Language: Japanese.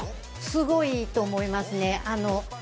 すごいと思いますね。